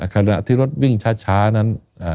ขณะที่รถวิ่งช้านั้น